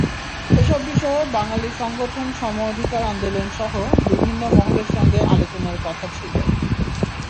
এসব বিষয়ে বাঙালি সংগঠন সমঅধিকার আন্দোলনসহ বিভিন্ন মহলের সঙ্গে আলোচনার কথা ছিল।